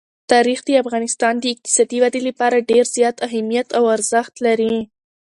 تاریخ د افغانستان د اقتصادي ودې لپاره ډېر زیات اهمیت او ارزښت لري.